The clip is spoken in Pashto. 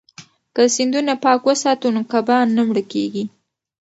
که سیندونه پاک وساتو نو کبان نه مړه کیږي.